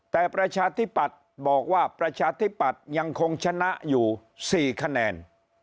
แต่ประชาธิปัตย์บอกว่าประชาธิปัตย์ยังคงชนะอยู่๔คะแนน